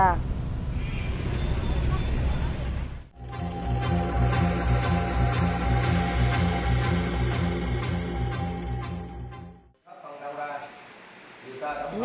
các phòng đang ra người ta đang ra